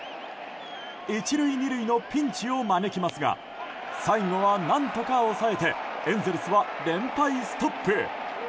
１塁２塁のピンチを招きますが最後は何とか抑えてエンゼルスは連敗ストップ。